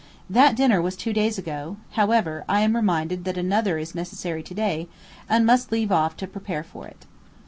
That dinner was two days ago, however; and I am reminded that another is necessary today, and must leave off to prepare for it.